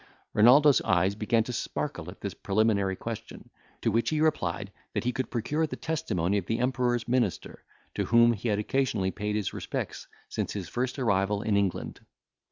Renaldo's eyes began to sparkle at this preliminary question; to which he replied, that he could procure the testimony of the Emperor's minister, to whom he had occasionally paid his respects since his first arrival in England.